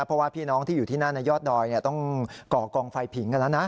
เพราะว่าพี่น้องที่อยู่ที่นั่นในยอดดอยต้องก่อกองไฟผิงกันแล้วนะ